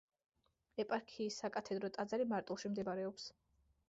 ეპარქიის საკათედრო ტაძარი მარტვილში მდებარეობს.